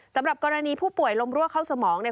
สำหรับกรณีผู้ป่วยลมรั่วเข้าสมองเนี่ย